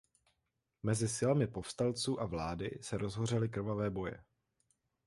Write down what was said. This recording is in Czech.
Mezi silami povstalců a vlády se rozhořely krvavé boje.